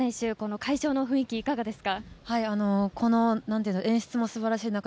会場の雰囲気いかがですか。